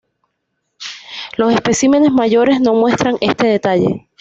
Los especímenes mayores no muestran este detalle.